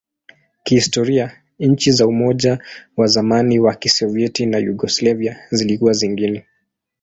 Kihistoria, nchi za Umoja wa zamani wa Kisovyeti na Yugoslavia zilikuwa zingine.